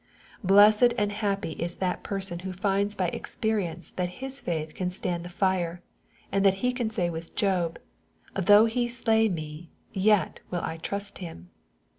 Blessed and happy is that person who finds by experience that his faith can stand the fire, and that he can say with Job, " though he slay me, yet will I trust in him."